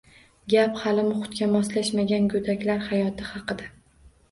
Gap hali muhitga moslashmagan goʻdaklar hayoti haqida